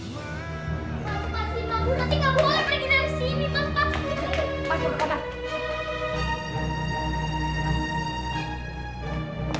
pak ke kanan